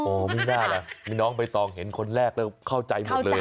ไม่น่าล่ะมีน้องใบตองเห็นคนแรกแล้วเข้าใจหมดเลย